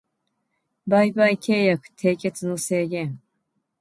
売買契約締結の制限